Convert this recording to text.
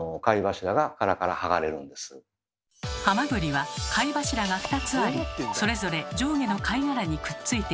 ハマグリは貝柱が２つありそれぞれ上下の貝殻にくっついています。